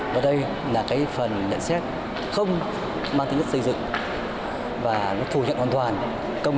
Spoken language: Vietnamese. và đây là cái phần nhận xét không mang tính nhất xây dựng và nó phủ nhận hoàn toàn công